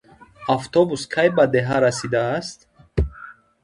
Автобус кай ба деҳа расидааст?